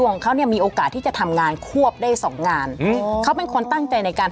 งานที่ทำอยู่เป็นยังไงบ้าง